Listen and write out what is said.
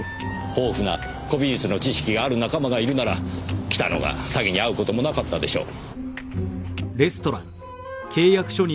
豊富な古美術の知識がある仲間がいるなら北野が詐欺に遭う事もなかったでしょう。